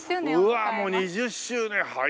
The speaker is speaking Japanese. うわもう２０周年早いな。